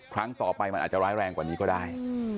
ครั้งต่อไปมันอาจจะร้ายแรงกว่านี้ก็ได้